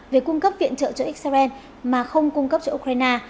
về cung cấp viện trợ cho israel mà không cung cấp cho ukraine